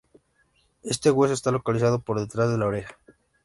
Este hueso está localizado por detrás de la oreja.